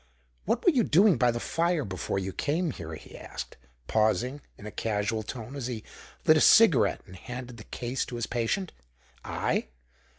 "What were you doing by the fire before you came here?" he asked, pausing, in a casual tone, as he lit a cigarette and handed the case to his patient. "I?